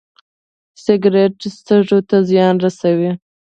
سګرټ سږو ته زیان رسوي